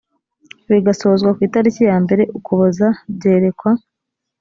bigasozwa ku itariki ya mbere ukuboza byerekwa